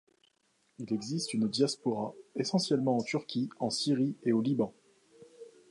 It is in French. Il existe une diaspora, essentiellement en Turquie, en Syrie et au Liban.